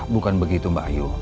bukan begitu mbak yu